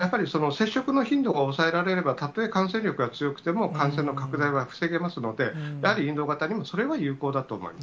やっぱり接触の頻度が抑えられれば、たとえ感染力が強くても、感染の拡大は防げますので、やはり、インド型にもそれは有効だと思います。